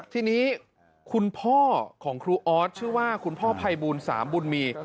ทีนี้คุณพ่อของครูออสชื่อว่าคุณพ่อภัยบูลสามบุญมี